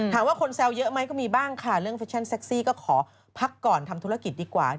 คนแซวเยอะไหมก็มีบ้างค่ะเรื่องเฟชั่นเซ็กซี่ก็ขอพักก่อนทำธุรกิจดีกว่า